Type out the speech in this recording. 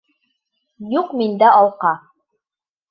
Юҡ миндә алҡа!